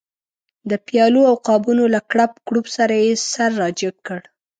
د پیالو او قابونو له کړپ کړوپ سره یې سر را جګ کړ.